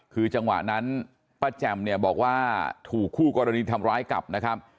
คือจังหวะนั้นป้าแจ่มเนี่ยบอกว่าถูกคู่กรณีทำร้ายกลับนะครับ